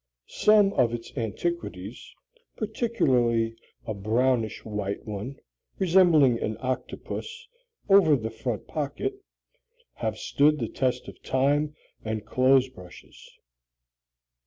Some of its antiques particularly a brownish white one, resembling an octopus, over the front pocket have stood the test of time and clothes brushes.